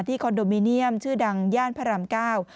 คอนโดมิเนียมชื่อดังย่านพระรามเก้า